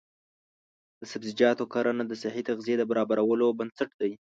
د سبزیجاتو کرنه د صحي تغذیې د برابرولو بنسټ دی.